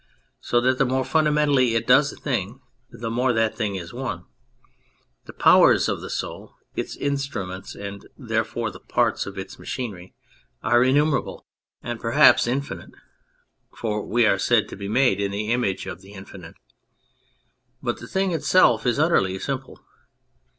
So that the more fundamentally it does a thing the more that thing is one. The powers of the soul, its instruments, and therefore the parts of its machinery, are innumerable and perhaps infinite 23 On Anything (for we are said to be made in the image of the Infinite) ; but the thing itself is utterly simple.